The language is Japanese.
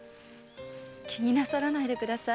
気になさらないでください。